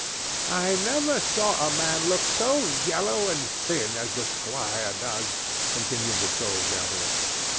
"I never saw a man look so yellow and thin as the squire does," continued the toll gatherer.